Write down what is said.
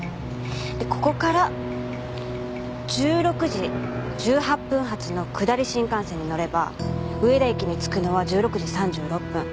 ここから１６時１８分発の下り新幹線に乗れば上田駅に着くのは１６時３６分。